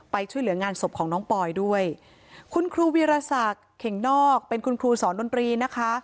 ไปช่วยเหลืองานศพของน้องปอยด้วยคุณครูวีรศักดิ์เข่งนอกเป็นคุณครูสอนดนตรีนะคะ